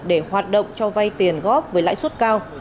để hoạt động cho vay tiền góp với lãi suất cao